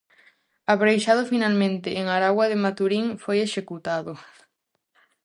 Apreixado finalmente en Aragua de Maturín, foi executado.